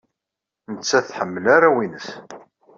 Nettat tḥemmel arraw-nnes.